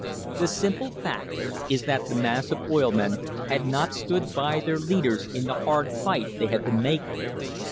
The sim ple fact is that the mass of oil men had not stood by their leaders in the hard fight they had been making.